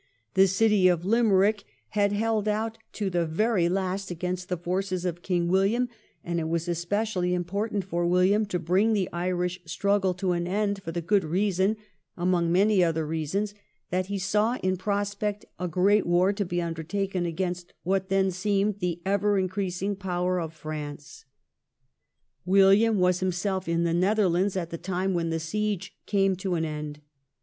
The city of Limerick had held out to the very last against the forces of King William, and it was especially important for WiUiam to bring the Irish struggle to an end, for the good reason, among many other reasons, that he saw in prospect a great war to be undertaken against what then seemed the ever increasing power of France. WiUiam was himself in the Netherlands at the time when the siege came to an end.